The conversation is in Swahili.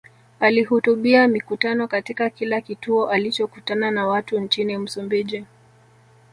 Alihutubia mikutano katika kila kituo alichokutana na watu nchini Msumbiji